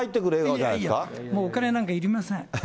いやいや、もうお金なんていりません。